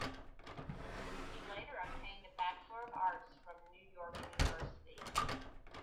He later obtained a Bachelor of Arts from New York University.